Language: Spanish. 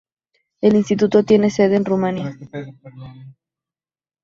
El Instituto tiene sede en Rumania.